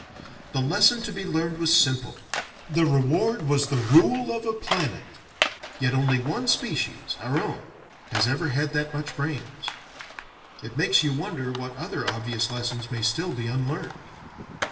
The lesson to be learned was simple: the reward was the rule of a planet. Yet only one species, our own, has ever had that much brains. It makes you wonder what other obvious lessons may still be unlearned.